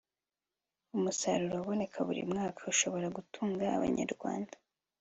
umusaruro uboneka buri mwaka ushobora gutunga abanyarwanda